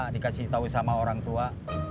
dikasih tahu sama orang tua